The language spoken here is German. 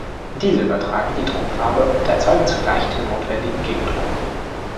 Diese übertragen die Druckfarbe und erzeugen zugleich den notwendigen Gegendruck.